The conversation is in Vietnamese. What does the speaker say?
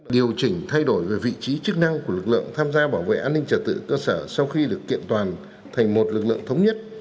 điều chỉnh thay đổi về vị trí chức năng của lực lượng tham gia bảo vệ an ninh trật tự cơ sở sau khi được kiện toàn thành một lực lượng thống nhất